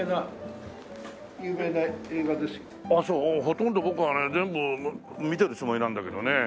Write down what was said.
ほとんど僕はね全部見てるつもりなんだけどね。